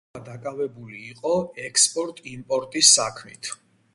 კანტორა დაკავებული იყო ექსპორტ-იმპორტის საქმით.